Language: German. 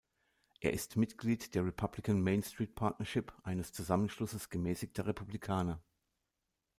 Er ist Mitglied der Republican Main Street Partnership, eines Zusammenschlusses gemäßigter Republikaner.